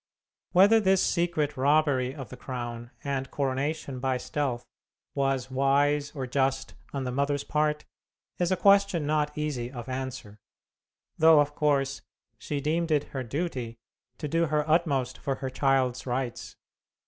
Whether this secret robbery of the crown, and coronation by stealth, was wise or just on the mother's part is a question not easy of answer though of course she deemed it her duty to do her utmost for her child's rights.